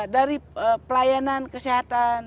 dari pelayanan kesehatan